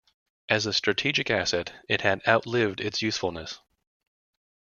As a strategic asset it had outlived its usefulness.